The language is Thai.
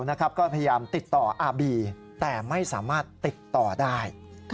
ก็พยายามติดต่ออาบีแต่ไม่สามารถติดต่อได้